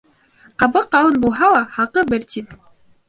Ҡабыҡ ҡалын булһа ла, хаҡы бер тин.